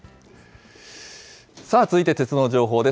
さあ続いて鉄道の情報です。